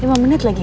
lima menit lagi